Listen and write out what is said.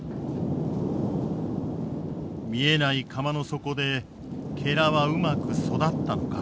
見えない釜の底ではうまく育ったのか。